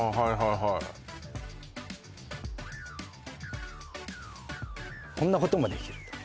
はいっこんなこともできるね！